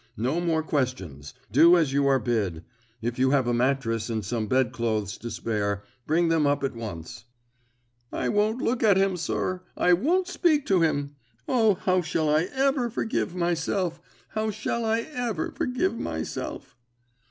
No more questions; do as you are bid. If you have a mattress and some bedclothes to spare, bring them up at once." "I won't look at him, sir I won't speak to him! O, how shall I ever forgive myself how shall I ever forgive myself?"